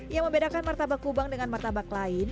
yang membedakan martabak kubang dengan martabak lain